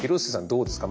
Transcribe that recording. どうですか？